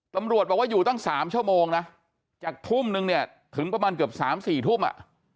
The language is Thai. ตำรวจบอกว่าอยู่ตั้ง๓ชั่วโมงนะจากทุ่มนึงเนี่ยถึงประมาณเกือบ๓๔ทุ่มอ่ะ